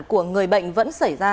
của người bệnh vẫn xảy ra